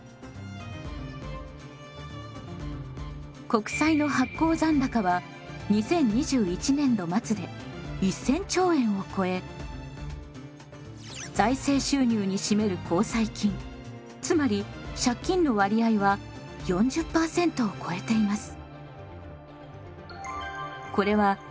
国債の発行残高は２０２１年度末で１，０００兆円を超え財政収入に占める公債金つまり借金の割合は４０％を超えています。